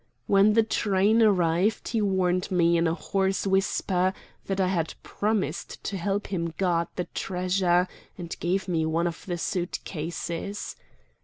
When the train arrived he warned me in a hoarse whisper that I had promised to help him guard the treasure, and gave me one of the suit cases.